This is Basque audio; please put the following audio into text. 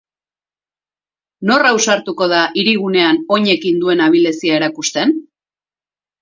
Nor ausartuko da hirigunean oinekin duen abilezia erakusten?